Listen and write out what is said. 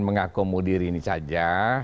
mengakomodir ini saja